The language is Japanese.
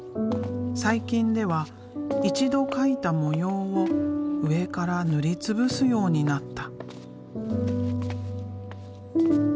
最近では一度描いた模様を上から塗り潰すようになった。